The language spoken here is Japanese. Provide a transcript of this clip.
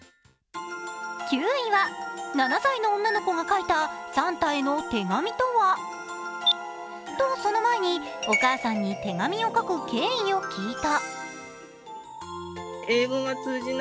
９位は７歳の女の子が書いたサンタへの手紙とは？と、その前にお母さんに手紙を書く経緯を聞いた。